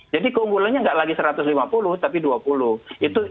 jadi keunggulannya nggak lagi satu ratus lima puluh tapi dua puluh